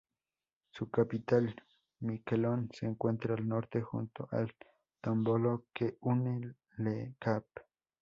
Su capital, Miquelón, se encuentra al norte junto al tómbolo que une Le Cap.